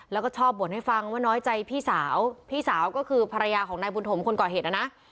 แล้วก็ชอบบ่นให้ฟังว่าน้อยใจพี่สาวพี่สาวก็คือภรรยาของนายบุญถมคนก่อเหตุนะนะ